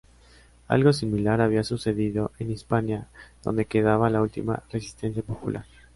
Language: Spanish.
Algo similar había sucedido en Hispania, donde quedaba la última resistencia popular.